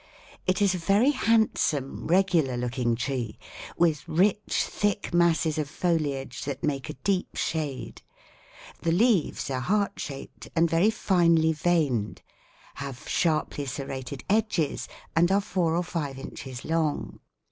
It is a very handsome, regular looking tree with rich, thick masses of foliage that make a deep shade. The leaves are heart shaped and very finely veined, have sharply serrated edges and are four or five inches long.